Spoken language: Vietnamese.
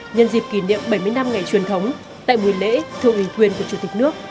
nhân dịp kỷ niệm bảy mươi năm ngày truyền thống tại buổi lễ thưa ủy quyền của chủ tịch nước